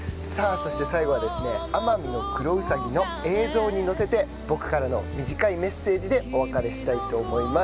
そして最後はアマミノクロウサギの映像に乗せて僕からの短いメッセージでお別れしたいと思います。